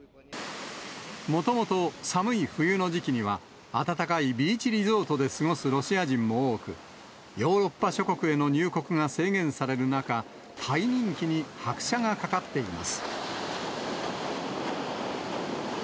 もともと寒い冬の時期には、暖かいビーチリゾートで過ごすロシア人も多く、ヨーロッパ諸国への入国が制限される中、タイ人気に拍車がかかっています。